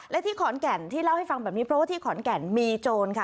และที่ขอนแก่นที่เล่าให้ฟังแบบนี้เพราะว่าที่ขอนแก่นมีโจรค่ะ